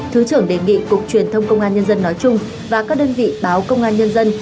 thứ trưởng đề nghị cục truyền thông công an nhân dân nói chung và các đơn vị báo công an nhân dân